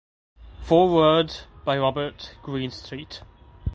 Foreword by Robert Greenstreet.